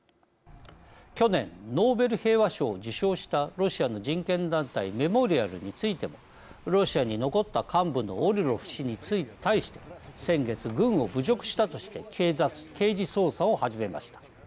去年ノーベル平和賞を受賞したロシアの人権団体メモリアルについてもロシアに残った幹部のオルロフ氏に対して先月軍を侮辱したとして刑事捜査を始めました。